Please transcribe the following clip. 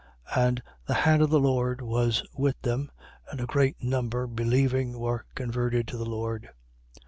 11:21. And the hand of he Lord was with them: and a great number believing, were converted to the Lord.